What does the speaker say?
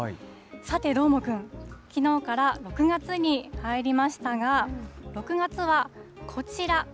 さて、どーもくん、きのうから６月に入りましたが、６月は、こちら。